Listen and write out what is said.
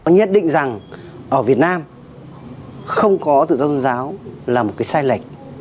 nhất định rằng ở việt nam không có tổ chức tôn giáo là một cái sai lệch